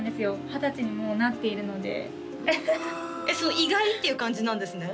二十歳にもうなっているので意外っていう感じなんですね？